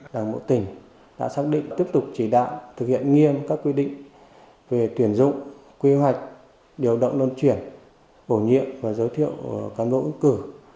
đảng bộ tỉnh đã xác định tiếp tục chỉ đạo thực hiện nghiêm các quy định về tuyển dụng quy hoạch điều động luân chuyển bổ nhiệm và giới thiệu cán bộ ứng cử